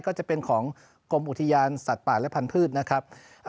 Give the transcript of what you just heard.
ก็จะเป็นของกรมอุทยานสัตว์ป่าและพันธุ์นะครับ